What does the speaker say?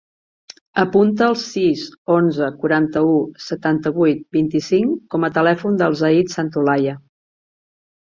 Apunta el sis, onze, quaranta-u, setanta-vuit, vint-i-cinc com a telèfon del Zayd Santolaya.